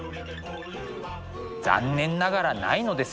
残念ながらないのです。